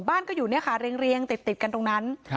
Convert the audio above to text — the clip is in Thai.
บ้านก็อยู่เรียงติดกันตรงนั้น